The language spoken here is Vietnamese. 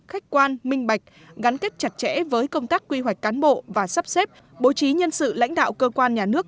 khách quan minh bạch gắn kết chặt chẽ với công tác quy hoạch cán bộ và sắp xếp bố trí nhân sự lãnh đạo cơ quan nhà nước